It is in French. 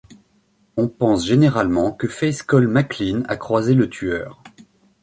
On pense généralement que Faith Cole MacLean a croisé le tueur.